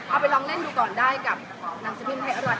เอาไปลองเล่นดูก่อนได้กับหนังสือพิมพ์ไทยอร่อย